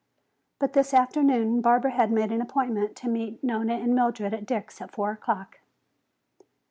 But this afternoon Barbara had made an appointment to meet Nona and Mildred at Dick's at four o'clock.